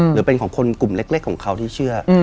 หรือเป็นของคนกลุ่มเล็กของเขาที่เชื่อ